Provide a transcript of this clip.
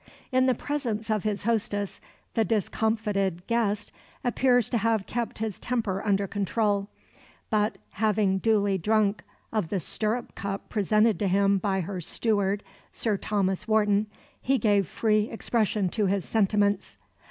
In the presence of his hostess the discomfited guest appears to have kept his temper under control, but, having duly drunk of the stirrup cup presented to him by her steward, Sir Thomas Wharton, he gave free expression to his sentiments.